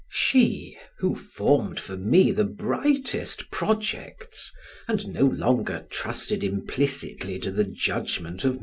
She, who formed for me the brightest projects, and no longer trusted implicitly to the judgment of M.